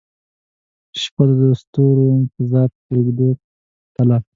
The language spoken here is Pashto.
شپه د ستورو د تضاد په اوږو تلمه